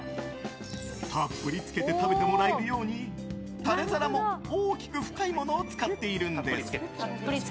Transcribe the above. たっぷりつけて食べてもらえるようにタレ皿も大きく深いものを使っているんです。